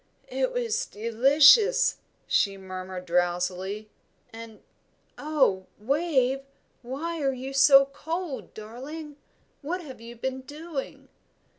"It was delicious," she murmured, drowsily; "and oh, Wave, why are you so cold, darling? What have you been doing?"